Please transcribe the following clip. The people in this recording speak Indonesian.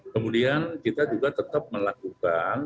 kemudian kita juga tetap melakukan